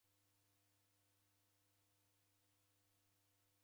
Sharia m'bishi yabirie.